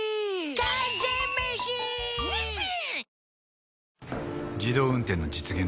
完全メシ！ニッシン！